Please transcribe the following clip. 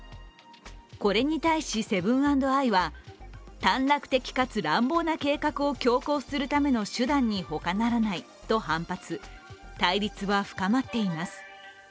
これに対し、セブン＆アイは短絡的かつ乱暴な計画を強行するための手段にほかならないと反発、対立は深まっています。